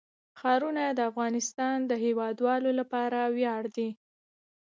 ښارونه د افغانستان د هیوادوالو لپاره ویاړ دی.